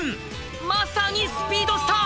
まさにスピードスター。